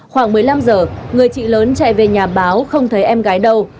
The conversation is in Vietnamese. khoảng một mươi năm giờ người chị lớn chạy về nhà báo không thấy em gái đâu